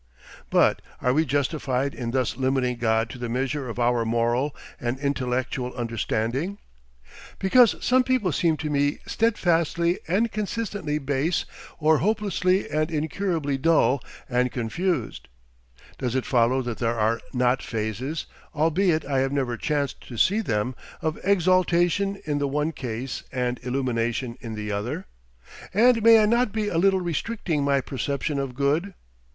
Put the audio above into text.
But are we justified in thus limiting God to the measure of our moral and intellectual understandings? Because some people seem to me steadfastly and consistently base or hopelessly and incurably dull and confused, does it follow that there are not phases, albeit I have never chanced to see them, of exaltation in the one case and illumination in the other? And may I not be a little restricting my perception of Good?